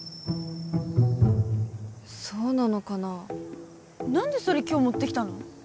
そうなのかな何でそれ今日持ってきたの？